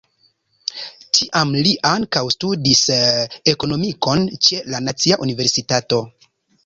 Tiam li ankaŭ studis Ekonomikon ĉe la Nacia Universitato.